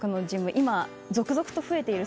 今、続々と増えています。